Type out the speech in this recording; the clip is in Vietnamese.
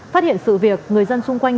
phát hiện sự việc người dân xung quanh